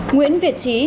nguyễn việt trí